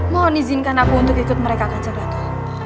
mohon izinkan aku untuk ikut mereka kajang ratu